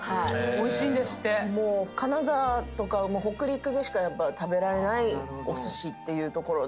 金沢とか北陸でしか食べられないお寿司っていうところで。